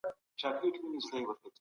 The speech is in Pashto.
ګاونډی هیواد هوایي حریم نه بندوي.